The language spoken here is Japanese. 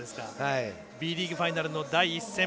Ｂリーグファイナルの第１戦。